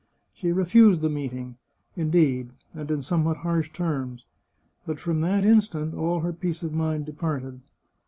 She refused the meeting, indeed, and in somewhat harsh terms ; but from that instant all her peace of mind departed.